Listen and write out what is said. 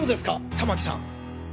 玉木さん。